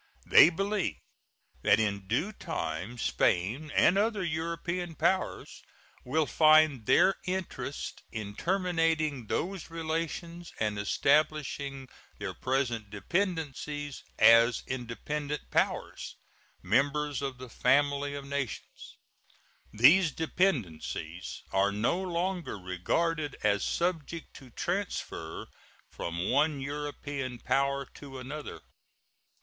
They believe that in due time Spain and other European powers will find their interest in terminating those relations and establishing their present dependencies as independent powers members of the family of nations. These dependencies are no longer regarded as subject to transfer from one European power to another.